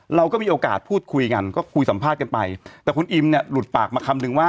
เราก็มีโอกาสพูดคุยกันก็คุยสัมภาษณ์กันไปแต่คุณอิมเนี่ยหลุดปากมาคำนึงว่า